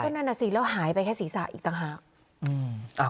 นั่นน่ะสิแล้วหายไปแค่ศีรษะอีกต่างหาก